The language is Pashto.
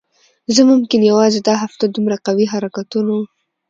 زه ممکن یوازی دا هفته دومره قوي حرکتونو